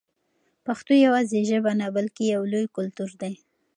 پښتو یوازې ژبه نه بلکې یو لوی کلتور دی.